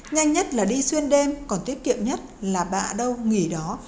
nhanh nhất là đi xuyên đêm còn tiết kiệm nhất là bạn đâu nghỉ đó